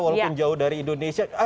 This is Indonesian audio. walaupun jauh dari indonesia